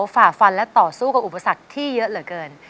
ฝ่าฟันและต่อสู้กับอุปสรรคที่เยอะเหลือเกิน